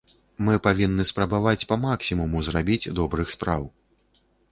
Мы павінны спрабаваць па-максімуму зрабіць добрых спраў.